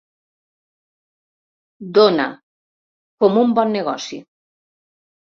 Dóna, com un bon negoci.